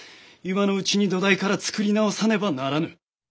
今のうちに土台から作り直さねばならぬ。